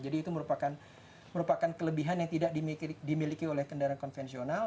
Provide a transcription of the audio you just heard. jadi itu merupakan kelebihan yang tidak dimiliki oleh kendaraan konvensional